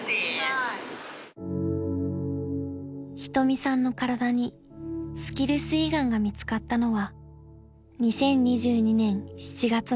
［仁美さんの体にスキルス胃がんが見つかったのは２０２２年７月のこと］